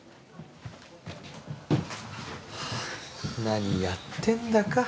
何やってんだか。